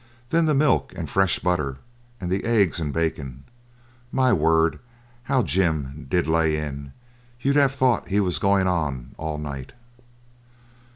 Then the milk and fresh butter, and the eggs and bacon my word! how Jim did lay in; you'd have thought he was goin' on all night.